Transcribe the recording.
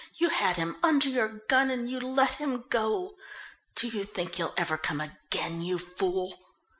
"You had him under your gun and you let him go. Do you think he'll ever come again, you fool?"